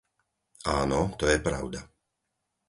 Áno, to je pravda.